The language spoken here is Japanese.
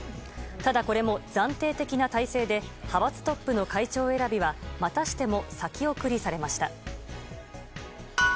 ただ、これも暫定的な体制で派閥トップの会長選びはまたしても先送りされました。